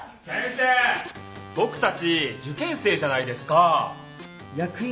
先生僕たち受験生じゃないですかぁ。